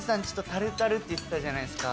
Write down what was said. タルタルって言ってたじゃないですか。